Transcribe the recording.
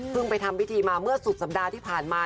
ไปทำพิธีมาเมื่อสุดสัปดาห์ที่ผ่านมา